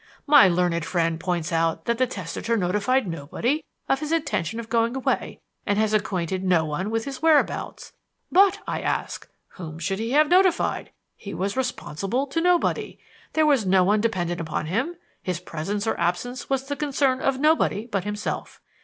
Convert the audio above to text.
My learned friend points out that the testator notified nobody of his intention of going away and has acquainted no one with his whereabouts; but, I ask, whom should he have notified? He was responsible to nobody; there was no one dependent upon him; his presence or absence was the concern of nobody but himself.